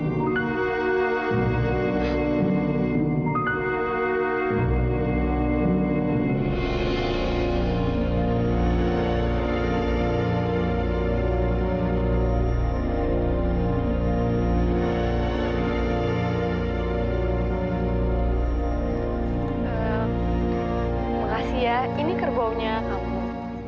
terima kasih ya ini kerbongnya kamu